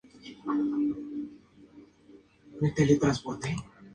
La capital de la arquidiócesis se encuentra en la ciudad de L'Aquila.